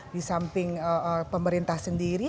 di samping pemerintah sendiri